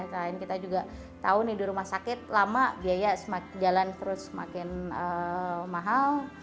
selain kita juga tahu nih di rumah sakit lama biaya jalan terus semakin mahal